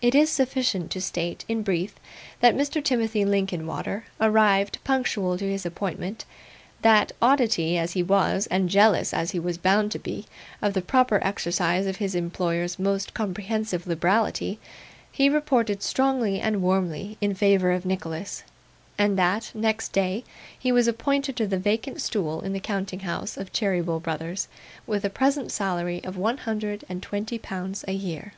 It is sufficient to state, in brief, that Mr. Timothy Linkinwater arrived, punctual to his appointment; that, oddity as he was, and jealous, as he was bound to be, of the proper exercise of his employers' most comprehensive liberality, he reported strongly and warmly in favour of Nicholas; and that, next day, he was appointed to the vacant stool in the counting house of Cheeryble, Brothers, with a present salary of one hundred and twenty pounds a year.